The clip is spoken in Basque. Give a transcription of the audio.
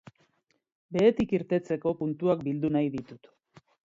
Behetik irtetzeko puntuak bildu nahi ditut.